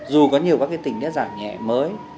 dù có nhiều cái tình nhé giảm nhẹ mới